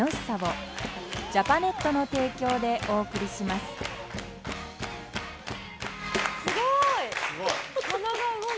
すごい！